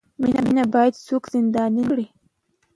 مینه باید څوک زنداني نه کړي.